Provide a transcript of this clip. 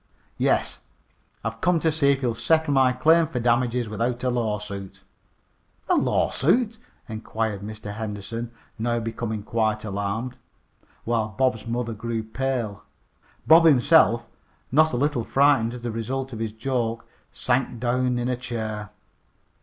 "Yes. I've come t' see if ye'll settle my claim fer damages without a lawsuit." "A lawsuit?" inquired Mr. Henderson, now becoming quite alarmed, while Bob's mother grew pale. Bob himself, not a little frightened as the result of his joke, sank down in a chair.